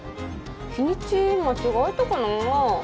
日にち間違えたかな？